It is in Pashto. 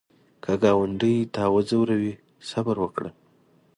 که ګاونډي تا وځوروي، صبر وکړه